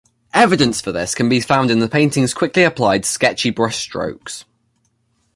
Evidence for this can be found in the painting's quickly applied, sketchy brushstrokes.